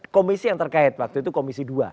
komisi yang terkait waktu itu komisi dua